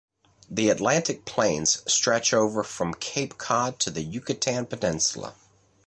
The Atlantic Plains stretch over from Cape Cod to the Yucatan Peninsula.